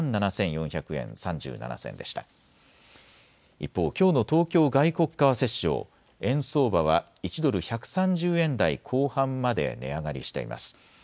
一方、きょうの東京外国為替市場、円相場は１ドル１３０円台後半まで値上がりしています。